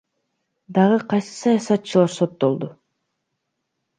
Дагы кайсы саясатчылар соттолду?